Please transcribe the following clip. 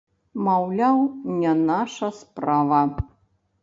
Маўляў, не наша справа.